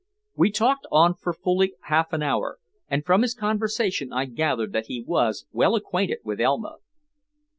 We talked on for fully half an hour, and from his conversation I gathered that he was well acquainted with Elma.